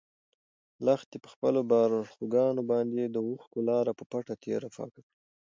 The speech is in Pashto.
لښتې په خپلو باړخوګانو باندې د اوښکو لاره په پټه تېره پاکه کړه.